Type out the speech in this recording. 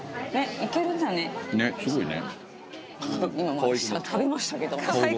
ねっすごいね。